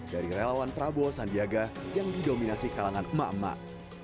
dari relawan prabowo sandiaga yang didominasi kalangan emak emak